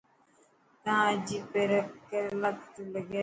تان عجيب ڪريلا تو لگي.